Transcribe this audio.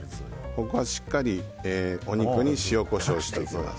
ここは、しっかりお肉に塩、コショウをしておきます。